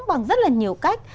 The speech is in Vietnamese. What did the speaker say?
bằng rất là nhiều cách